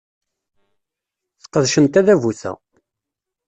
Sqedcen tadabut-a.